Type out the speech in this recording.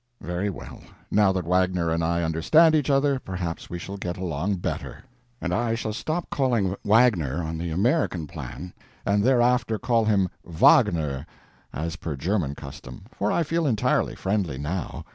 Very well; now that Wagner and I understand each other, perhaps we shall get along better, and I shall stop calling Waggner, on the American plan, and thereafter call him Waggner as per German custom, for I feel entirely friendly now.